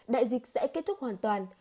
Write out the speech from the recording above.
đại dịch sẽ kết thúc hoàn toàn